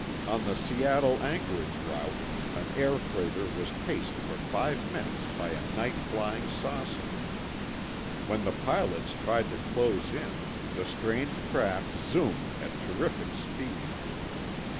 On the Seattle Anchorage route, an air freighter was paced for five minutes by a night flying saucer. When the pilots tried to close in, the strange craft zoomed at terrific speed.